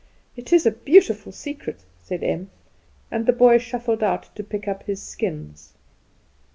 "It is a beautiful secret," said Em; and the boy shuffled out to pick up his skins.